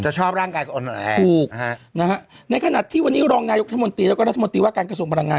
จะชอบร่างกายคุณมากแหละถูกนะครับในขณะที่วันนี้รองนายุทธมนตรีและรัฐมนตรีว่าการกระจกบำรรงาน